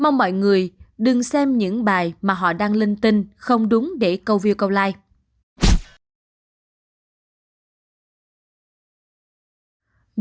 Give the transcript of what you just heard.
mong mọi người đừng xem những bài mà họ đang linh tinh không đúng để câu view câu like